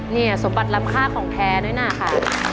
เนี่ยสมบัติรำค่าของแทน้อยหน่าค่ะ